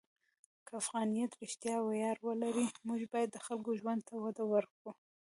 که افغانیت رښتیا ویاړ ولري، موږ باید د خلکو ژوند ته وده ورکړو.